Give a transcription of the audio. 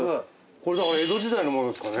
これだから江戸時代のものですかね？